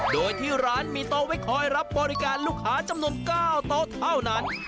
โดยที่ร้านมีโต๊ะไว้คอยรับบริการลูกค้าจำนวน๙โต๊ะเท่านั้น